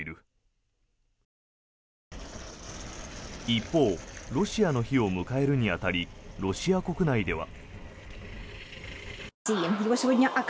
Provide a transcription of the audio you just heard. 一方ロシアの日を迎えるに当たりロシア国内では。